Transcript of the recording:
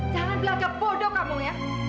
jangan dianggap bodoh kamu ya